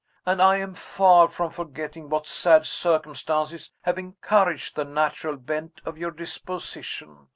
And I am far from forgetting what sad circumstances have encouraged the natural bent of your disposition.